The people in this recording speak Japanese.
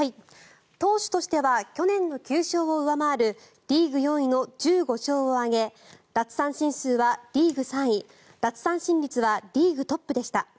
投手としては去年の９勝を上回るリーグ４位の１５勝を挙げ奪三振数はリーグ３位奪三振率はリーグトップでした。